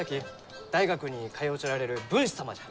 大学に通うちょられる文士様じゃ！